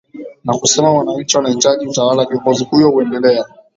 na kusema wananchi wanahitaji utawala kiongozi huyo uendelea